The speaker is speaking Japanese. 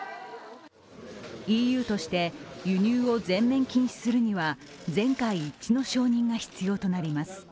ＥＵとして輸入を全面禁止するには全会一致の承認が必要となります。